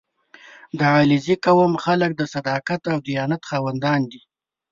• د علیزي قوم خلک د صداقت او دیانت خاوندان دي.